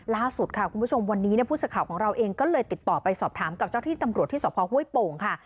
ล่าสุดค่ะคุณผู้ชมวันนี้ผู้สื่อข่าวของเราเองก็เลยติดต่อไปสอบถามกับเจ้าที่ตำรวจที่สพห้วยโป่งค่ะ